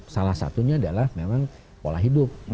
salah satunya adalah memang pola hidup